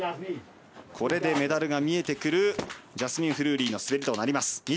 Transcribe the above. これでメダルが見えてくるジャスミン・フルーリーの滑りです。